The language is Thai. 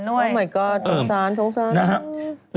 โอ้มายก๊อดสงสาร